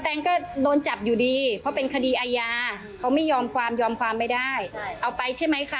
ตกโดยเงินแค่นี้แล้วก็ตกหลวงกับปอนฟาร์มไป